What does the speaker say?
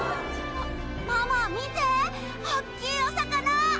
ママ見て、おっきいお魚！